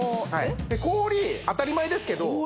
氷当たり前ですけど氷？